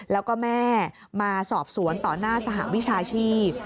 แล้วก็แม่มาสอบสวนต่อหน้าสหวิชาชีพ